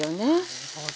なるほど。